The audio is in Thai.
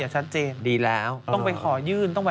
ชัดเจนดีแล้วต้องไปขอยื่น